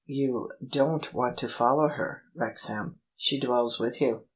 "You don't want to follow her, Wrexham: she dwells with you.